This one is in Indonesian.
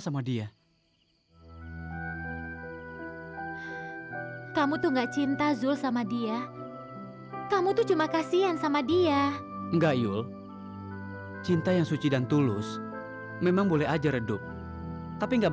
sampai jumpa di video selanjutnya